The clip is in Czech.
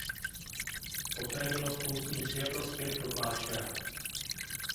Poté byla spolu s ním přijata zpět do kláštera.